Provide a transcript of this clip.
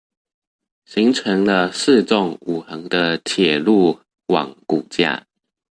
形成了四縱五橫的鐵路網骨架